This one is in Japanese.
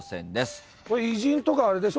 偉人とかあれでしょ？